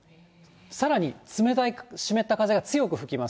さらに冷たい湿った風が強く吹きます。